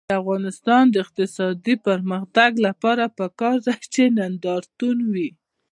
د افغانستان د اقتصادي پرمختګ لپاره پکار ده چې نندارتون وي.